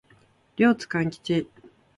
両津勘吉